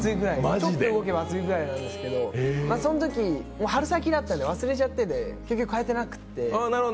ちょっと動けば暑いぐらいなんですけどそのとき春先だったんで忘れちゃってて、結局、買えてなくて。